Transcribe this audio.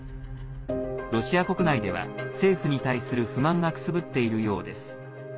ロシア国内では、政府に対する不満がくすぶっているようです。